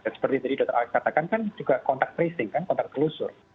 dan seperti tadi dokter alex katakan kan juga kontak tracing kan kontak klusur